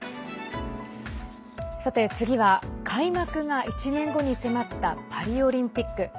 次は開幕が１年後に迫ったパリオリンピック。